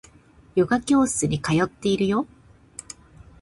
ヨガ教室に通っているよ